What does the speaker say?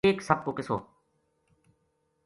ایک سپ کو قصو